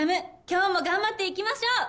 今日も頑張っていきましょう！